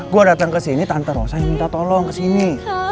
gue dateng kesini tante rosa yang minta tolong kesini